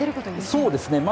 そうですね。